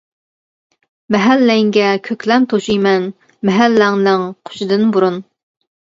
مەھەللەڭگە كۆكلەم توشۇيمەن، مەھەللەڭنىڭ قۇشىدىن بۇرۇن.